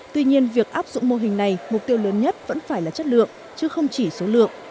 để áp dụng mô hình này mục tiêu lớn nhất vẫn phải là chất lượng chứ không chỉ số lượng